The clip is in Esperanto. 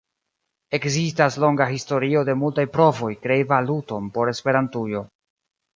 Ekzistas longa historio de multaj provoj krei valuton por Esperantujo.